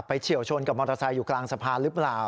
เฉียวชนกับมอเตอร์ไซค์อยู่กลางสะพานหรือเปล่า